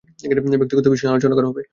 ব্যক্তিগত বিষয়ে আলোচনা করবো।